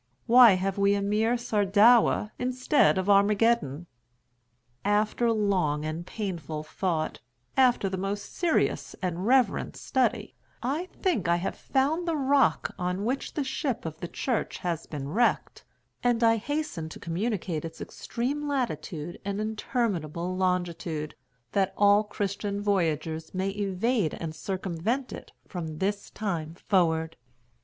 why have we a mere Sardowa instead of Armageddon? After long and painful thought, after the most serious and reverent study, I think I have found the rock on which the ship of the Church has been wrecked; and I hasten to communicate its extreme latitude and interminable longitude, that all Christian voyagers may evade and circumvent it from this time forward.